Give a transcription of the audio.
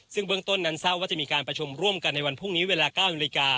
ซึ่งเบื้องต้นนั้นทราบว่าจะมีการประชุมร่วมกันในวันพรุ่งนี้เวลา๙นาฬิกา